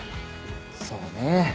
そうね